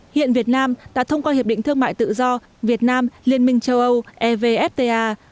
hiện việt nam đã thông qua hiệp định thương mại tự do việt nam liên minh châu âu evfta